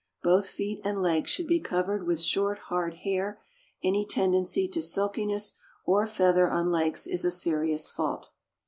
Both feet and legs should be covered with short, hard hair; any tendency to silkiness or feather on legs is a serious fault.